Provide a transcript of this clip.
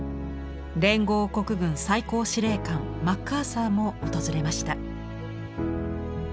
連合国軍最高司令官マッカーサーも訪れました。